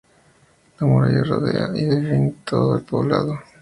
La muralla rodea y define todo el poblado.